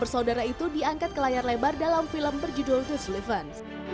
bersaudara itu diangkat ke layar lebar dalam film berjudul the sliphens